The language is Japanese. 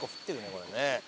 これね。